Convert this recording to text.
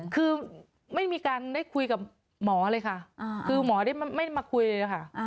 คือไม่มีการได้คุยกับหมอเลยค่ะคือหมอได้ไม่มาคุยเลยค่ะ